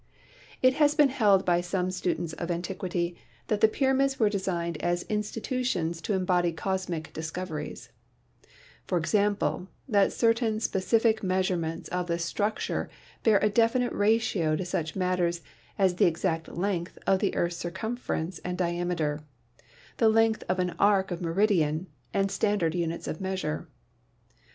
It has been held by some students of antiquity that the pyramids were designed as institutions to embody cosmic discoveries ; for example, that certain specific measure ments of the structure bear a definite ratio to such matters as the exact length of the earth's circumference and di ameter, the length of an arc of meridian and standard units of measure.